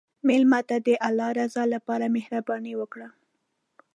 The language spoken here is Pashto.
مېلمه ته د الله رضا لپاره مهرباني وکړه.